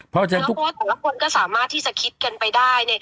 เพราะว่าแต่ละคนก็สามารถที่จะคิดกันไปได้